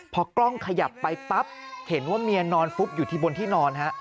พอกล้องขยับไปปั๊บเห็นว่าเมียนอนฟุบอยู่ที่บนที่นอนฮะ